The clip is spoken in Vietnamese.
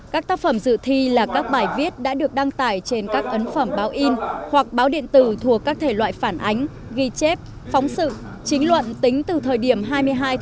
các tác phẩm dự thi là các bài viết đã được đăng tải trên các ấn phẩm báo in hoặc báo điện tử thuộc các thể loại phản ánh ghi chép phóng sự chính luận tính từ thời điểm hai mươi hai tháng một mươi hai năm hai nghìn bốn đến nay